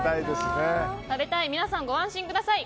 食べたい皆さんご安心ください。